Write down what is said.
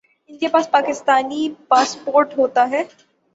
انکے پاس پاکستانی پاسپورٹ ہوتا ہے